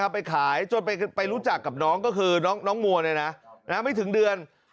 ไปขายจนไปรู้จักกับน้องก็คือน้องมัวไม่ถึงเดือน